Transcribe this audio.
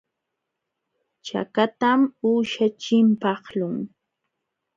Chakatam uusha chimpaqlun.